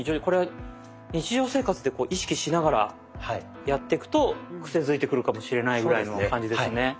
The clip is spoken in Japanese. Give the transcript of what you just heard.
これ日常生活で意識しながらやってくとクセづいてくるかもしれないぐらいの感じですね。